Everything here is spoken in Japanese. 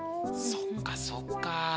そっかそっか。